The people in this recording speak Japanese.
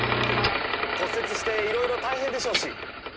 骨折していろいろ大変でしょうし